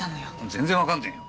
全然わかんねえよ！